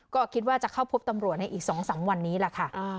ก็คิดว่าจะเข้าพบตำรวจในอีก๒๓วันนี้แหละค่ะ